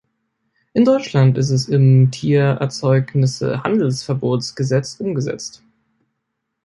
In Deutschland ist es im Tiererzeugnisse-Handels-Verbotsgesetz umgesetzt.